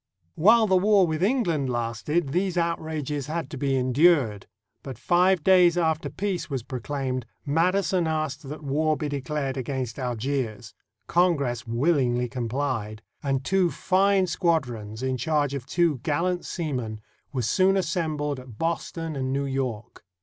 301 NORTHERN AFRICA While the war with England lasted, these outrages had to be endured; but, five days after peace was pro claimed, Madison asked that war be declared against Algiers. Congress willingly complied, and two fine squadrons, in charge of two gallant seamen, were soon assembled at Boston and New York.